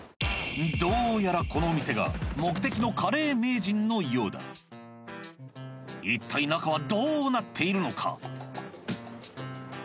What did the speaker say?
どうやらこのお店が目的の「カレー名人」のようだ一体中はどうなっているのか？